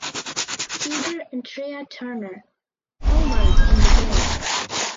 Seager and Trea Turner homered in the game.